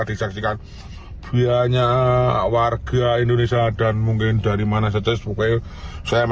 disaksikan banyak warga indonesia dan mungkin dari mana saja saya merupakan bangga